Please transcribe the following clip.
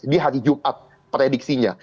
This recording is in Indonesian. di hari jumat prediksinya